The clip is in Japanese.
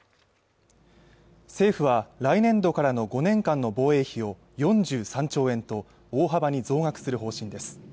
政府は来年度からの５年間の防衛費を４３兆円と大幅に増額する方針です